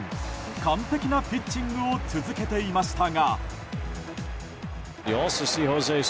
完璧なピッチングを続けていましたが。